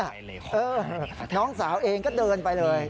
เออน้องสาวเองก็เดินไปเลย